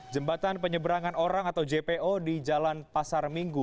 jembatan penyeberangan orang atau jpo di jalan pasar minggu